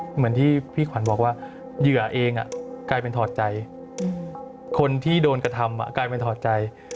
เหมือนที่พี่ขวัญบอกว่าเหยื่อเองกลายเป็นถอดใจคนที่โดนกระทำกลายเป็นถอดใจ